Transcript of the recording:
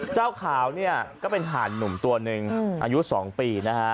เจ้าขาวเนี่ยก็เป็นหาดหนุ่มตัวหนึ่งอายุ๒ปีนะฮะ